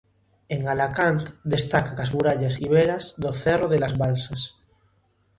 En Alacant destacan as murallas iberas do Cerro de las Balsas.